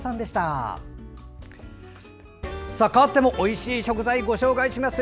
かわってもおいしい食材ご紹介します。